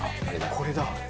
これだ。